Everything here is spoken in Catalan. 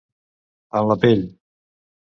En la pell.